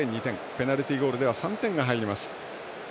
ペナルティーゴールでは３点が入ります。